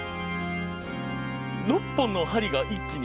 ６本の針が一気に。